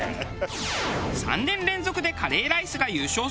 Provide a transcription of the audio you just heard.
３年連続でカレーライスが優勝する中